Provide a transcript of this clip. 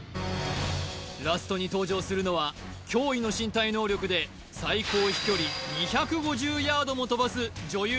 ラストに登場するのは驚異の身体能力で最高飛距離２５０ヤードも飛ばす女優